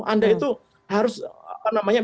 anda itu harus apa namanya